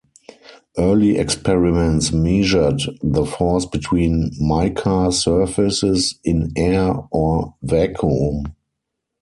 Early experiments measured the force between mica surfaces in air or vacuum.